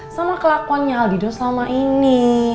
sama kelakuannya al dido selama ini